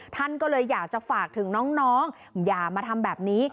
ท่านก็เลยอยากจะฝากถึงน้องอย่ามาทำแบบนี้